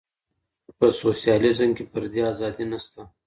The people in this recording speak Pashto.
په سوسیالیزم کي فردي ازادي نسته.